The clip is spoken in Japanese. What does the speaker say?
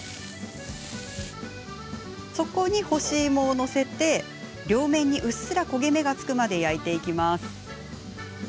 そこに干し芋を載せて両面にうっすら焦げ目がつくまで焼いていきます。